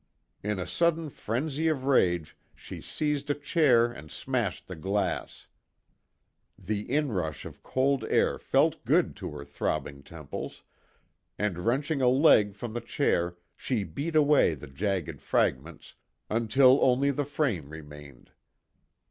In a sudden frenzy of rage she seized a chair and smashed the glass. The inrush of cold air felt good to her throbbing temples, and wrenching a leg from the chair she beat away the jagged fragments until only the frame remained.